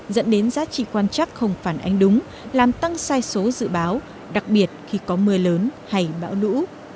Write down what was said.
dẫn đến giá trị quan chắc không phản ánh đúng làm tăng sai số dự báo đặc biệt khi có mưa lớn hay bão lũ